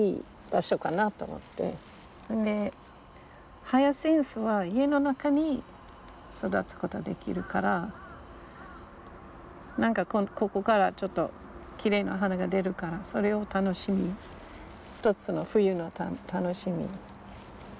でヒアシンスは家の中に育つことできるから何かここからちょっときれいな花が出るからそれを楽しみに一つの冬の楽しみに。